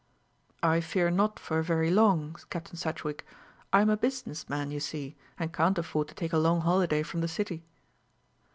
"I fear not for very long, Captain Sedgewick. I am a business man, you see, and can't afford to take a long holiday from the City."